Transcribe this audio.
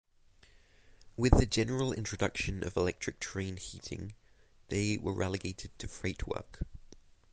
With the general introduction of electric train heating they were relegated to freight work.